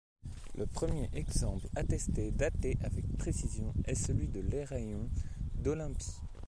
Le premier exemple attesté et daté avec précision est celui de l'héraion d'Olympie.